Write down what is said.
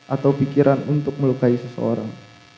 atau pikiran untuk melukai seseorang